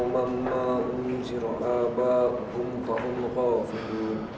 benar benar ya poni